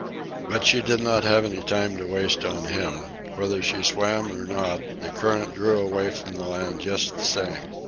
But she did not have any time to waste on him. Whether she swam or not, the current drew away from the land just the same.